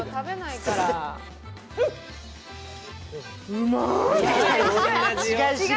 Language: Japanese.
うまーい。